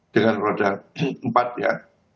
dengan roda empat ya